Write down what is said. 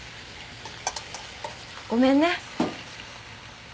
ごめんね。